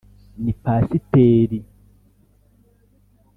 ni pasiteri